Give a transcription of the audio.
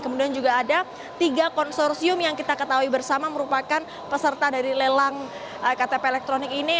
kemudian juga ada tiga konsorsium yang kita ketahui bersama merupakan peserta dari lelang ktp elektronik ini